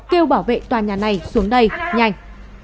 kêu bảo vệ tòa nhà này xuống đây nhanh